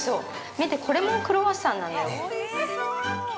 見て、これもクロワッサンなんだよ。